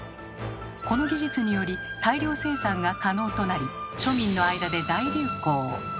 この技術により大量生産が可能となり庶民の間で大流行。